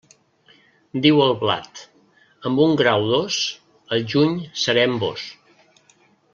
Diu el blat: amb un gra o dos, al juny seré amb vós.